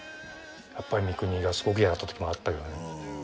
やっぱり三國がすごく嫌だったときもあったけどね。